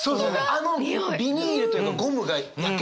あのビニールというかゴムが焼けたにおい。